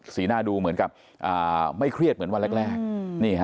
สีหน้าดูเหมือนกับอ่าไม่เครียดเหมือนวันแรกแรกนี่ฮะ